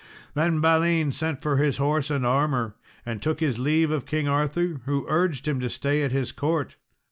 Then Balin sent for his horse and armour, and took his leave of King Arthur, who urged him to stay at his court.